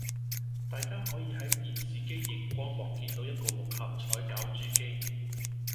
大家可以喺電視機營光幕見到一部六合彩攪珠機